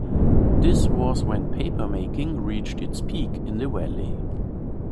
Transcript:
This was when paper making reached its peak in the valley.